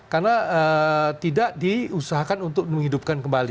karena tidak diusahakan untuk menghidupkan kembali